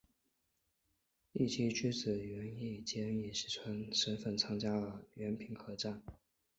义基之子源义兼以石川源氏之栋梁的身份参加了源平合战。